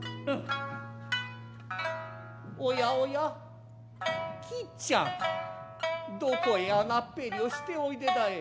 おやおやきっちゃんどこへあがっぺいりをしておいでだえ。